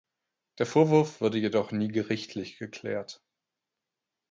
Der Vorwurf wurde jedoch nie gerichtlich geklärt.